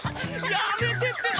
やめてってば！